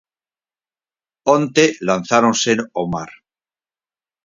Onte lanzáronse ao mar.